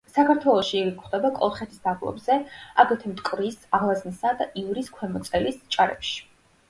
საქართველოში იგი გვხვდება კოლხეთის დაბლობზე, აგრეთვე მტკვრის, ალაზნისა და ივრის ქვემო წელის ჭალებში.